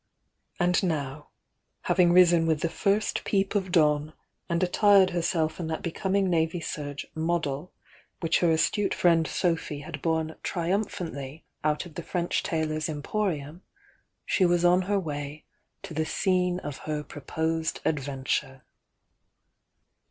And now,— having risen with the first peep of dawn, and attired herself in that becoming navy serge "model," which her astute friend Sophy had 102 THE YOUNG DIANA borne triumphantly out of the French tailor's em porium, she was on her way to the scene of her pro posed adventure.